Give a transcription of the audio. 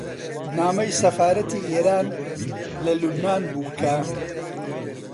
نامەی سەفارەتی ئێران لە لوبنان بوو کە: